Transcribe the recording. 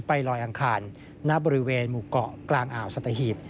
ลอยอังคารณบริเวณหมู่เกาะกลางอ่าวสัตหีบ